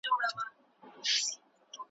چي د بل پر وزرونو یې تکیه وي ,